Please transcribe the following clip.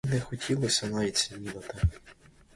Їй не хотілося навіть снідати.